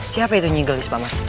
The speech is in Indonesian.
siapa itu nyigelis paman